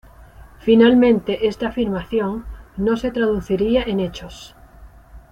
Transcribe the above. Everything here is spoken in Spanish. Finalmente esta afirmación no se traduciría en hechos.